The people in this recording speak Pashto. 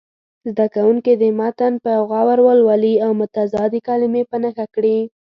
زده کوونکي دې متن په غور ولولي او متضادې کلمې په نښه کړي.